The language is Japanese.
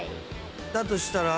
だとしたら。